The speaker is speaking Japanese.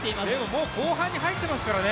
もう後半に入っていますからね。